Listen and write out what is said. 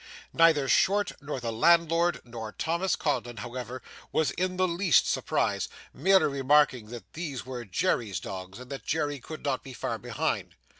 Neither Short nor the landlord nor Thomas Codlin, however, was in the least surprised, merely remarking that these were Jerry's dogs and that Jerry could not be far behind.